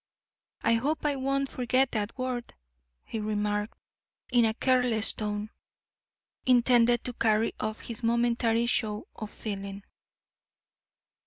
"I hope I won't forget that word," he remarked, in a careless tone, intended to carry off his momentary show of feeling.